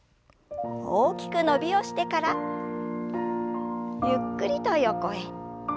大きく伸びをしてからゆっくりと横へ。